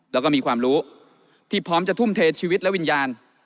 แล้วก็มีความรู้ที่พร้อมจะทุ่มเทชีวิตและวิญญาณ